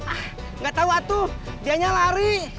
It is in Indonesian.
ah nggak tahu atuh dianya lari